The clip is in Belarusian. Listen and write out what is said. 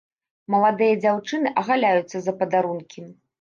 Маладыя дзяўчыны агаляюцца за падарункі.